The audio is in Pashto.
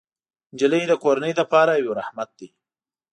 نجلۍ د کورنۍ لپاره یو رحمت دی.